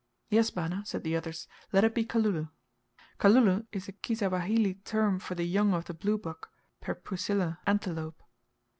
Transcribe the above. "Yes, bana," said the others, "let it be Kalulu." "Kalulu" is a Kisawahili term for the young of the blue buck (perpusilla) antelope.